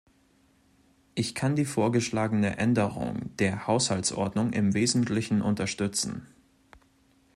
Ich kann die vorgeschlagene Änderung der Haushaltsordnung im wesentlichen unterstützen.